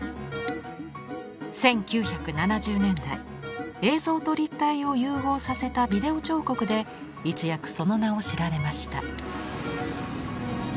１９７０年代映像と立体を融合させた「ビデオ彫刻」で一躍その名を知られました。